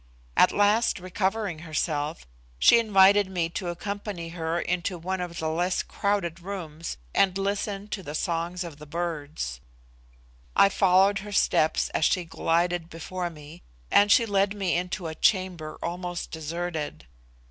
At last recovering herself, she invited me to accompany her into one of the less crowded rooms and listen to the songs of the birds. I followed her steps as she glided before me, and she led me into a chamber almost deserted.